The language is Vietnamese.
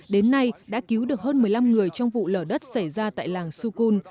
đến nay đã cứu được hơn một mươi năm người trong vụ lở đất xảy ra tại làng sukun